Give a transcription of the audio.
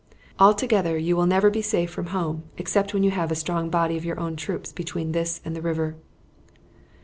Altogether you will never be safe from home except when you have a strong body of your own troops between this and the river."